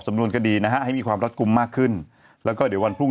นวนคดีนะฮะให้มีความรัดกลุ่มมากขึ้นแล้วก็เดี๋ยววันพรุ่ง